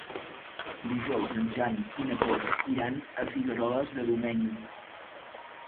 Dijous en Jan i na Cora iran a Figueroles de Domenyo.